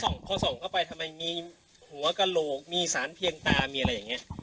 พอส่องเข้าไปทำไมมีหัวกระโหลกมีสารเพียงตามีอะไรอย่างนี้